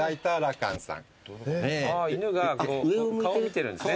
犬が顔を見てるんすね。